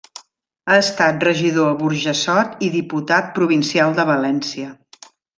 Ha estat regidor a Burjassot i diputat provincial de València.